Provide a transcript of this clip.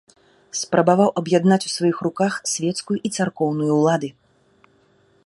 Спрабаваў аб'яднаць у сваіх руках свецкую і царкоўную ўлады.